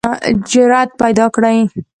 جرئت پیداکړئ